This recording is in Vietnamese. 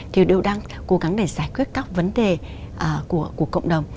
thì đều đang cố gắng để giải quyết các vấn đề của cộng đồng